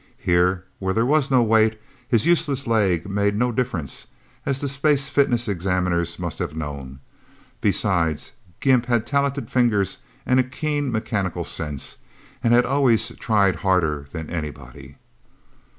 Here, where there was no weight, his useless leg made no difference as the space fitness examiners must have known. Besides, Gimp had talented fingers and a keen mechanical sense, and had always tried harder than anybody.